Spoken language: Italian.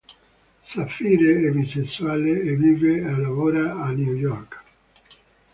Sapphire è bisessuale e vive e lavora a New York.